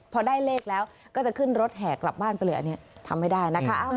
พอได้เลขแล้วก็จะขึ้นรถแห่กลับบ้านไปเลยอันนี้ทำไม่ได้นะคะ